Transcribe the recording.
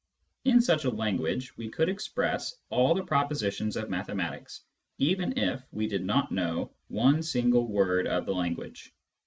In such a language we could express all the propositions of mathematics even if we did not know one single word of the language.